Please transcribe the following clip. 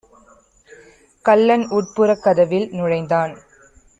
கள்ளன் உட்புறக் கதவில் நுழைந்தான்.